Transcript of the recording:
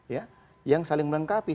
ya yang saling melengkapi